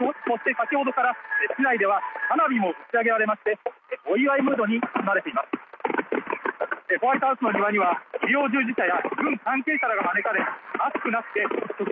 先ほどから市内では花火も打ち上げられまして、お祝いムードに包まれています。